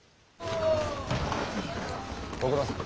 ご苦労さん。